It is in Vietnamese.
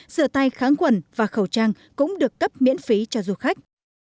sửa tay kháng quần và khẩu trang cũng được cấp miễn phí cho du khách